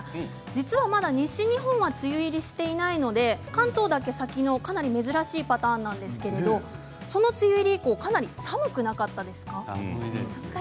実はまだ西日本は梅雨入りしていないので関東だけ先のかなり珍しいパターンなんですけれどその梅雨入りかなり寒くなかったですか。